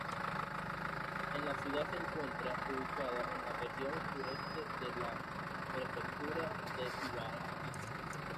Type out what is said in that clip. La ciudad se encuentra ubicada en la región suroeste de la Prefectura de Ibaraki.